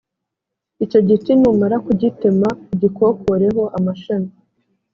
icyo giti numara kugitema ugikokoreho amashami